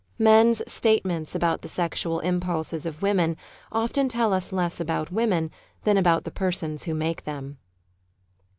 ... [Men's] Statements about the sexual impulses of women often tell us less about women than about the persons who make them.